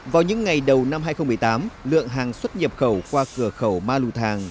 vào những ngày đầu năm hai nghìn một mươi tám lượng hàng xuất nhập khẩu qua cửa khẩu ma lưu thàng